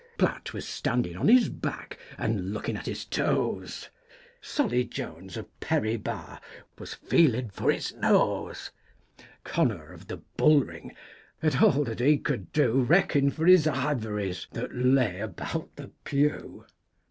Platt was standin' on his back and lookup at his toes, Solly Jones of Perry Bar was feelin' for his nose, Connor of the Bull Ring had all that he could do Rakin' for his ivories that lay about the pew.